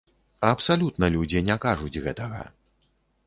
Абсалютна людзі не кажуць гэтага.